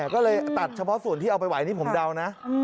ก็เลยตัดเฉพาะส่วนที่เอาไปไหวนี่ผมเดานะ